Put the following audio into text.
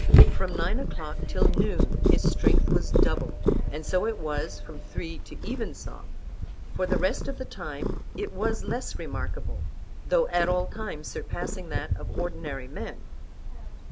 From nine o'clock till noon his strength was doubled, and so it was from three to evensong; for the rest of the time it was less remarkable, though at all times surpassing that of ordinary men.